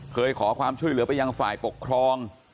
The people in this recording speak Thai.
เคยขอความช่วยเหลือไปยังฝ่ายปกครอง